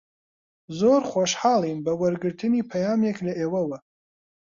زۆر خۆشحاڵین بە وەرگرتنی پەیامێک لە ئێوەوە.